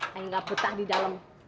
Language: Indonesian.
tidak betah di dalam